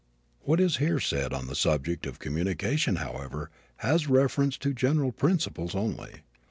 What is here said on the subject of communication, however, has reference to general principles only.